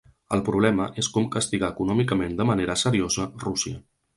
El problema és com castigar econòmicament de manera seriosa Rússia.